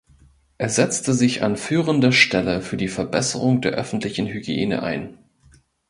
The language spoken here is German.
Er setzte sich an führender Stelle für die Verbesserung der öffentlichen Hygiene ein.